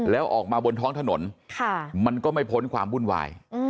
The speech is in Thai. แล้วออกมาบนท้องถนนมันก็ไม่พ้นความวุ่นวาย